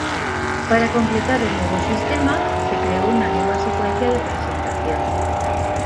Para completar el nuevo sistema, se creó una nueva secuencia de presentación.